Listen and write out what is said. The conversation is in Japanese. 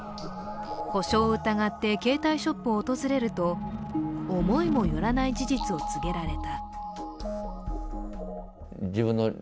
故障を疑って携帯ショップを訪れると思いも寄らない事実を告げられた。